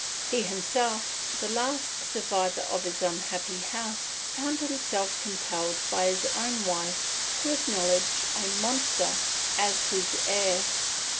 He himself, the last survivor of his unhappy house, found himself compelled by his own wife to acknowledge a monster as his heir.